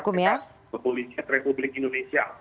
kepolisian republik indonesia